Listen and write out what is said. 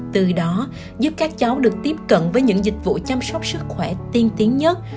từ đó giúp các cháu được tiếp cận với những dịch vụ chăm sóc sức khỏe tiên tiến nhất